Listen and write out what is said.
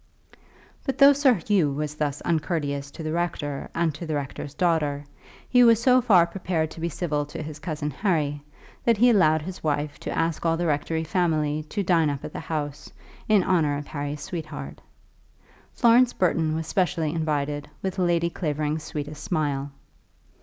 But though Sir Hugh was thus uncourteous to the rector and to the rector's daughter, he was so far prepared to be civil to his cousin Harry, that he allowed his wife to ask all the rectory family to dine up at the house, in honour of Harry's sweetheart. Florence Burton was specially invited with Lady Clavering's sweetest smile.